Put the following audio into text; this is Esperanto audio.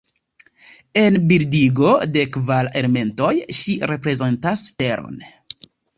En bildigo de Kvar elementoj ŝi reprezentas Teron.